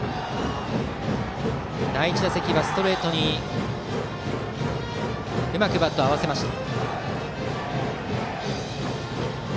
第１打席はストレートにうまくバットを合わせました。